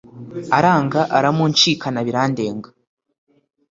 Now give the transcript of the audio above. Aranga aramunshikana birandenga;